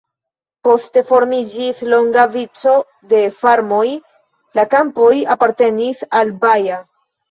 Poste formiĝis longa vico de farmoj, la kampoj apartenis al Baja.